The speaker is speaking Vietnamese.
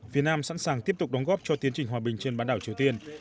việt nam sẵn sàng tiếp tục đóng góp cho tiến trình hòa bình trên bán đảo triều tiên